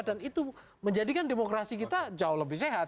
dan itu menjadikan demokrasi kita jauh lebih sehat